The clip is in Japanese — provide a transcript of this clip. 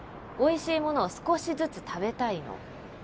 おいしいものは少しずつ食べたいの。